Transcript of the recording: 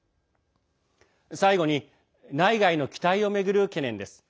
最後に内外の期待を巡る懸念です。